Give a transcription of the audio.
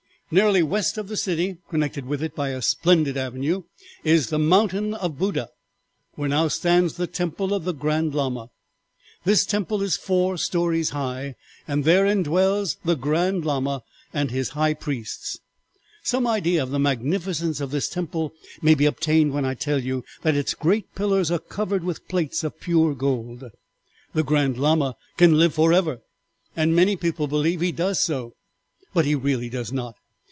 "'Nearly west of the city, connected with it by a splendid avenue, is the mountain of Buddha, where now stands the temple of the Grand Lama. This temple is four stories high, and therein dwells the Grand Lama and his High Priests. Some idea of the magnificence of this temple may be obtained when I tell you that its great pillars are covered with plates of pure gold. The Grand Lama can live forever, and many people believe he does so, but he really does not.